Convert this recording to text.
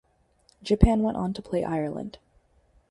Japan went on to play Ireland.